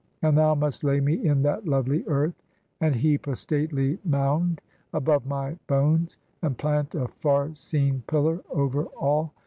And thou must lay me in that lovely earth. And heap a stately mound above my bones, And plant a far seen pillar over all.